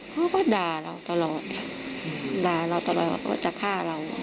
เขาก็ด่าเราตลอดด่าเราตลอดว่าจะฆ่าเรา